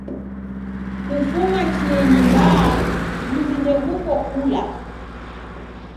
Kufuma chienyi mbaa mzi ndeghuko kula.